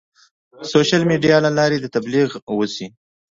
سوشیل میډیا له لارې د تبلیغ وشي.